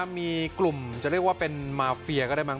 มีกลุ่มที่จะเรียกว่ามาร์เฟียก็ได้มั้ง